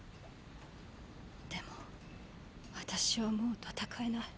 でも私はもう戦えない。